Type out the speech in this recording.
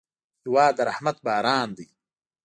هېواد د رحمت باران دی.